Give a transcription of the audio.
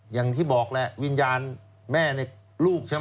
อย่างที่บอกแหละวิญญาณแม่ในลูกใช่ไหม